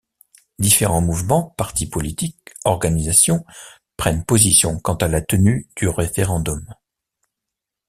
Différents mouvements, partis politiques, organisations prennent position quant à la tenue du référendum.